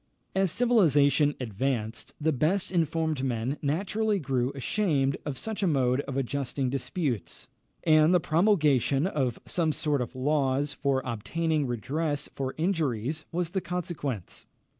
As civilisation advanced, the best informed men naturally grew ashamed of such a mode of adjusting disputes, and the promulgation of some sort of laws for obtaining redress for injuries was the consequence.